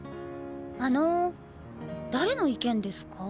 あのぉ誰の意見ですか？